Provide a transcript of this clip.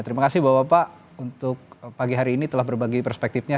terima kasih bapak bapak untuk pagi hari ini telah berbagi perspektifnya